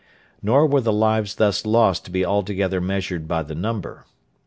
Nor were the lives thus lost to be altogether measured by the number.